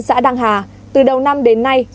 xã đăng hà từ đầu năm đến nay